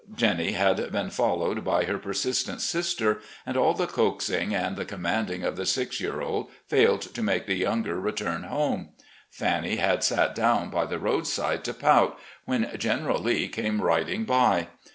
Jennie had been followed by her persistent sister, and all the coaxing and the commanding of the six year old failed to make the younger return home. Fannie had sat down by the roadside to pout, when General Lee came riding by.